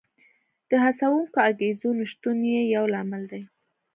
د هڅوونکو انګېزو نشتون یې یو لامل دی